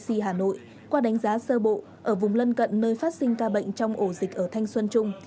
y hà nội qua đánh giá sơ bộ ở vùng lân cận nơi phát sinh ca bệnh trong ổ dịch ở thanh xuân trung